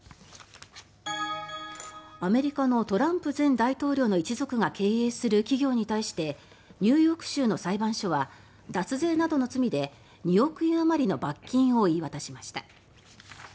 アメリカのトランプ前大統領の一族が経営する企業に対してニューヨーク州の裁判所は脱税などの罪で２億円あまりの罰金を言い渡しました。